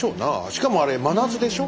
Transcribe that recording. しかもあれ真夏でしょ？